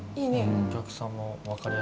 お客さんも分かりやすいかも。